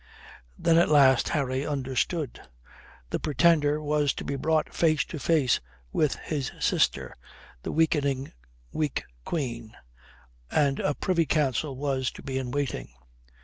Then at last Harry understood. The Pretender was to be brought face to face with his sister, the weakening weak Queen, and a Privy Council was to be in waiting.